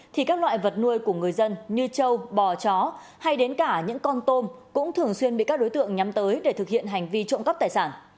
thì các loại vật nuôi của người dân như châu bò chó hay đến cả những con tôm cũng thường xuyên bị các đối tượng nhắm tới để thực hiện hành vi trộm cắp tài sản